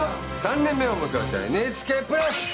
３年目を迎えたＮＨＫプラス！